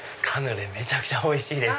カヌレめちゃくちゃおいしい。